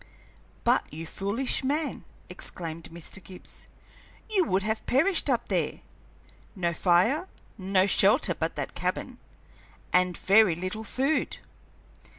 "But, you foolish man," exclaimed Mr. Gibbs, "you would have perished up there no fire, no shelter but that cabin, and very little food.